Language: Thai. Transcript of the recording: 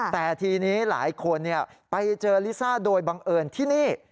แต่ทีนี้หลายคนไปเจอลิซ่าโดยบังเอิญที่นี่